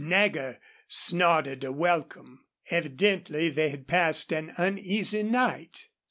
Nagger snorted a welcome. Evidently they had passed an uneasy night.